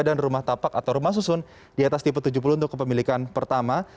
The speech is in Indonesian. dan rumah tapak atau rumah susun di atas tipe tujuh puluh untuk kepemilikan pertama